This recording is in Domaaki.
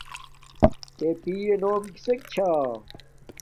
تݺ پِیئݺ نݸم کِسݵک چھݳ؟